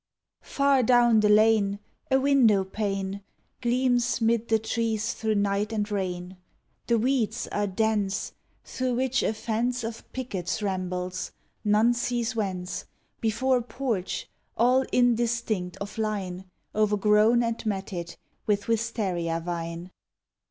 Far down the lane A window pane Gleams 'mid the trees through night and rain. The weeds are dense Through which a fence Of pickets rambles, none sees whence, Before a porch, all indistinct of line, O'er grown and matted with wistaria vine.